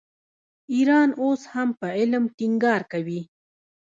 ایران اوس هم په علم ټینګار کوي.